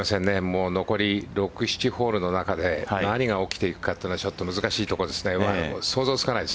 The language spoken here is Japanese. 残り６、７ホールの中で何が起きていくかというのはちょっと難しいところですね。